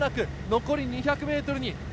残り２００ｍ。